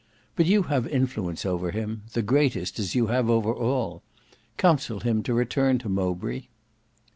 But you have influence over him, the greatest, as you have over all. Counsel him to return to Mowbray."